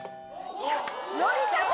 よし！